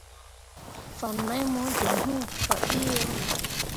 Fan mai mo joŋ iŋ faɓeʼ yo.